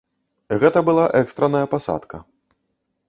Гэта была экстранная пасадка.